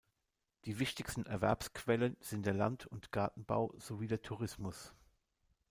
Die wichtigsten Erwerbsquellen sind der Land- und Gartenbau sowie der Tourismus.